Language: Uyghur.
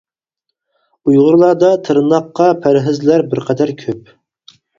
ئۇيغۇرلاردا تىرناققا پەرھىزلەر بىر قەدەر كۆپ.